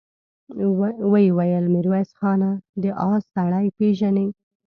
ويې ويل: ميرويس خانه! دآسړی پېژنې؟